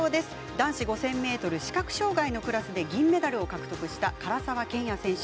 男子５０００ｍ視覚障がいのクラスで銀メダルを獲得した唐澤剣也選手。